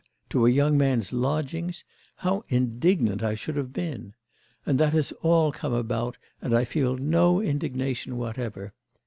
to a young man's lodgings how indignant I should have been! And that has all come about, and I feel no indignation whatever.